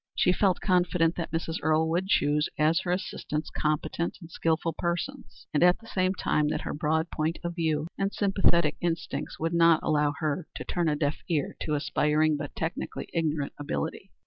She felt confident that Mrs. Earle would choose as her assistants competent and skilful persons, and at the same time that her broad point of view and sympathetic instincts would not allow her to turn a deaf ear to aspiring but technically ignorant ability.